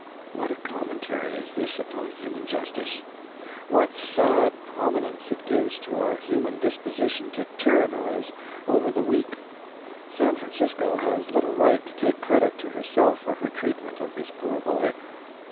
What a commentary is this upon human justice! What sad prominence it gives to our human disposition to tyrannize over the weak! San Francisco has little right to take credit to herself for her treatment of this poor boy.